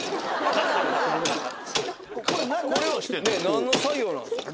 何の作業なんすか？